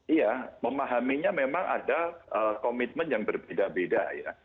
iya memahaminya memang ada komitmen yang berbeda beda ya